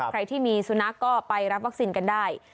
ใครที่มีสุนัขก็ไปรับวัคซีนกันได้